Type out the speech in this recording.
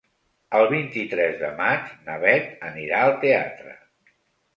El vint-i-tres de maig na Beth anirà al teatre.